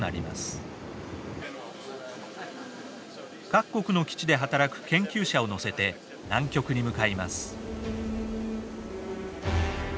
各国の基地で働く研究者を乗せて南極に向かいます。